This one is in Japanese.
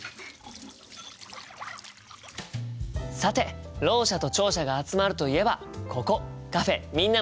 さてろう者と聴者が集まるといえばここカフェ「みんなの手話」ですよね。